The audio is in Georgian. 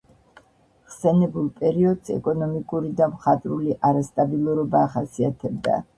ხსენებულ პერიოდს ეკონომიკური და მხატვრული არასტაბილურობა ახასიათებდა.